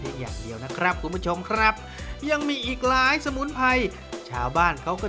อย่างเดียวนะครับคุณผู้ชมครับยังมีอีกหลายสมุนไพรชาวบ้านเขาก็